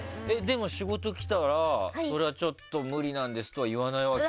仕事来たら、それはちょっと無理なんですとは言わないわけ？